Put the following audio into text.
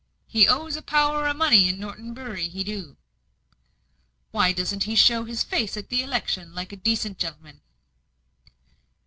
"He owes a power o' money in Norton Bury he do." "Why doesn't he show his face at the 'lection, like a decent gen'leman?"